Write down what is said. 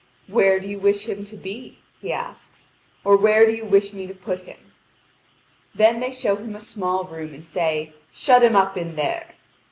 "Where do you wish him to be?" he asks, "or where do you wish me to put him?" Then they show him a small room, and say: "Shut him up in there."